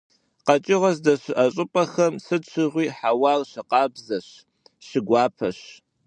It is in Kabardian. КъэкӀыгъэ здэщыӀэ щӀыпӀэхэм сыт щыгъуи хьэуар щыкъабзэщ, щыгуапэщ.